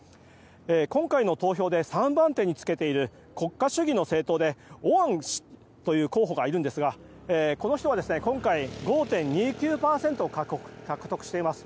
今回の投票で３番手につけている国家主義の政党でオアン氏という候補がいるんですがこの人は今回５．２９％獲得しています。